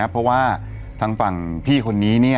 เพราะทางฐานพี่คนนี้